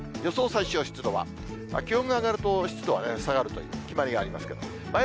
最小湿度は、気温が上がると、湿度は下がるという決まりがありますけれども。